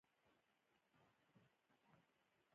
د هر وګړي جاتي د مسلک ټاکي.